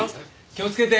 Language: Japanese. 気をつけて。